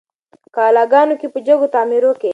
قلاګانو کي په جګو تعمیرو کي